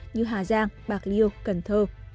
như hà giang bạc liêu cần thơ